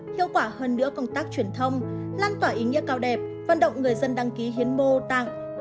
hiệu quả hơn nữa công tác truyền thông lan tỏa ý nghĩa cao đẹp vận động người dân đăng ký hiến mô tặng